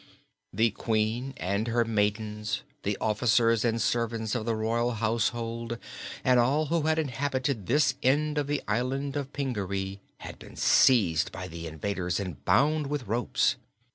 The Queen and her maidens, the officers and servants of the royal household and all who had inhabited this end of the Island of Pingaree had been seized by the invaders and bound with ropes.